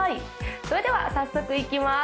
それでは早速いきます